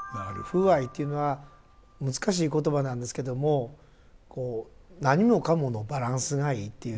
風合いというのは難しい言葉なんですけどもこう何もかものバランスがいいということでしょうかね。